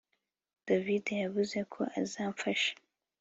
davide yavuze ko azamfasha